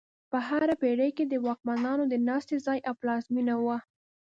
په هره پېړۍ کې د واکمنانو د ناستې ځای او پلازمینه وه.